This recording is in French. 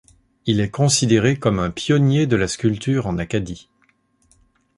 Il est considéré comme un pionnier de la sculpture en Acadie.